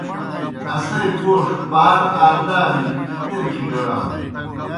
اسے گوݜ پار آ دارِجیْ پیر کِھگَڑانوْ۔